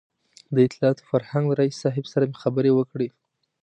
د اطلاعاتو او فرهنګ له رییس صاحب سره مې خبرې وکړې.